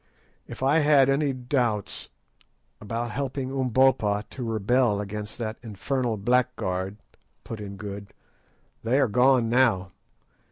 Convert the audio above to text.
"If I had any doubts about helping Umbopa to rebel against that infernal blackguard," put in Good, "they are gone now.